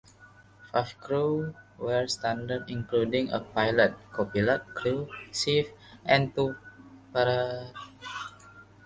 Five crew were standard, including a pilot, copilot, crew chief, and two pararescuemen.